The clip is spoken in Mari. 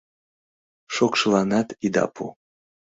Шокшыланат ида пу: